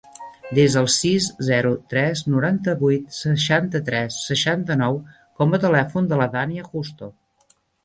Desa el sis, zero, tres, noranta-vuit, seixanta-tres, seixanta-nou com a telèfon de la Dània Justo.